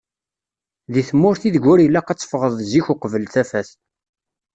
Deg tmurt i deg ur ilaq ad tefɣeḍ zik uqbel tafat.